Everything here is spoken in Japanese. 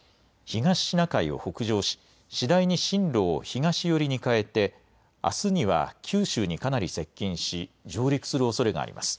東シナ海を北上し次第に進路を東寄りに変えて、あすには九州にかなり接近し上陸するおそれがあります。